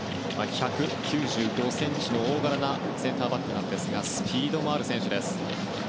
１９５ｃｍの大柄なセンターバックなんですがスピードもある選手。